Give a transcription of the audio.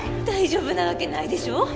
大丈夫なわけないでしょ！